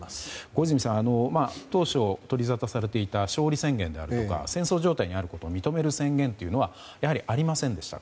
小泉さん当初、取りざたされていた勝利宣言であるとか戦争状態にあることを認める宣言というのはやはりありませんでした。